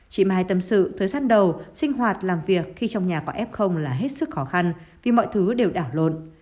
chị mai tâm sự thời gian đầu sinh hoạt làm việc khi trong nhà của f là hết sức khó khăn vì mọi thứ đều đảo lộn